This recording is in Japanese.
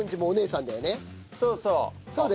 そうそう。